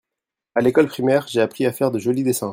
À l'école primaire j'ai appris à faire de joli dessins.